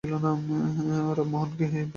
রামমোহনকে বিভা কিছুমাত্র লজ্জা করিত না।